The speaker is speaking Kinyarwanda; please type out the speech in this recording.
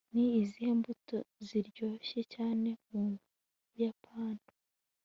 ni izihe mbuto ziryoshye cyane mu buyapani